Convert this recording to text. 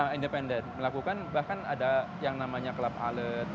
independen melakukan bahkan ada yang namanya club alert